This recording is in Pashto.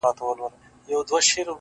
د شاعرۍ ياري كړم ـ